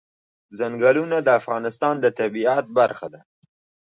ځنګلونه د افغانستان د طبیعت برخه ده.